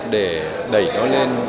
để đẩy nó lên